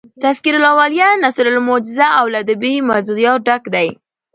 "تذکرةالاولیاء" نثر موجز او له ادبي مزایاو ډک دﺉ.